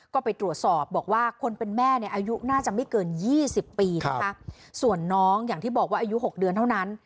ก็ไปตรวจสอบบอกว่าคนเป็นแม่เนี่ยอายุน่าจะไม่เกินยี่สิบปีนะคะส่วนน้องอย่างที่บอกว่าอายุหกเดือนเท่านั้น